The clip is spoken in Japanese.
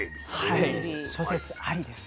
はい諸説ありです。